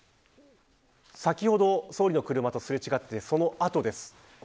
先ほど総理の車とすれ違ってその後です。